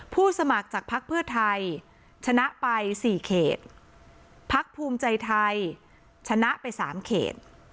สมัครจากพักเพื่อไทยชนะไป๔เขตพักภูมิใจไทยชนะไป๓เขต